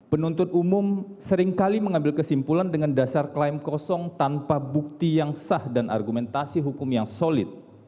penuntut umum seringkali mengambil kesimpulan dengan dasar klaim kosong tanpa bukti yang sah dan argumentasi hukum yang solid